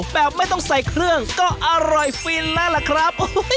แบบไม่ต้องใส่เครื่องก็อร่อยฟินแล้วล่ะครับ